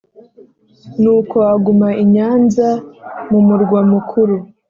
Nuko aguma i Nyanza mu murwa mukuru,